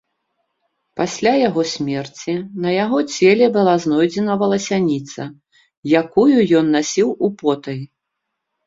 Пасля яго смерці на яго целе была знойдзена валасяніца, якую ён насіў употай.